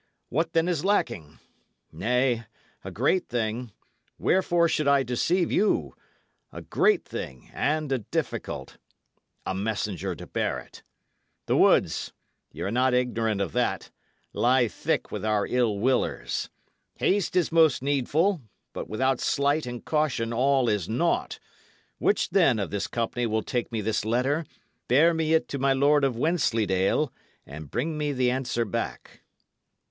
What, then, is lacking? Nay, a great thing wherefore should I deceive you? a great thing and a difficult: a messenger to bear it. The woods y' are not ignorant of that lie thick with our ill willers. Haste is most needful; but without sleight and caution all is naught. Which, then, of this company will take me this letter, bear me it to my Lord of Wensleydale, and bring me the answer back?"